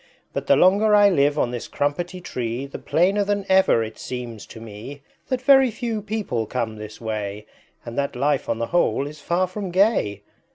But the longer I live on this Crumpetty Tree The plainer than ever it seems to me That very few people come this way And that life on the whole is far from gay!"